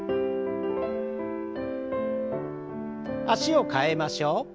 脚を替えましょう。